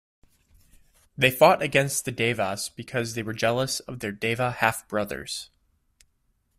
They fought against the Devas because they were jealous of their Deva half-brothers.